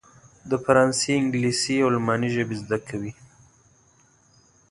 د فرانسې، انګلیسي او الماني ژبې زده کوي.